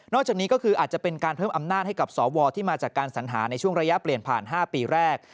จากนี้ก็คืออาจจะเป็นการเพิ่มอำนาจให้กับสวที่มาจากการสัญหาในช่วงระยะเปลี่ยนผ่าน๕ปีแรก